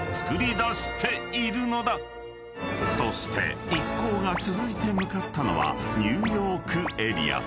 ［そして一行が続いて向かったのはニューヨーク・エリア］